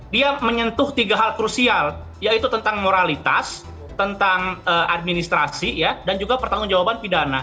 dia menyentuh tiga hal krusial yaitu tentang moralitas tentang administrasi dan juga pertanggung jawaban pidana